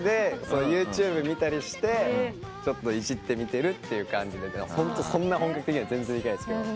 独学でＹｏｕＴｕｂｅ見たりしてちょっといじってみてるっていう感じでほんとそんな本格的には全然できないですけど。